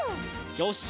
よし！